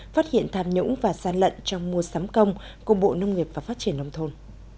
phát hiện tham nhũng và gian lận trong mùa sắm công của bộ nông nghiệp và phát triển nông thôn